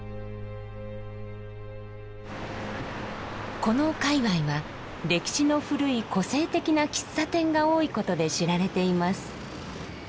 この界わいは歴史の古い個性的な喫茶店が多いことで知られています。